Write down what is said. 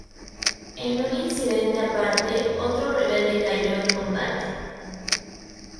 En un incidente aparte, otro rebelde cayó en combate.